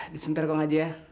disuntar kok ngajuh ya